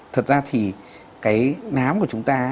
thật ra thì cái nám của chúng ta